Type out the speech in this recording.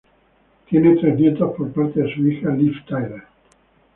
Tiene tres nietos por parte de su hija Liv Tyler.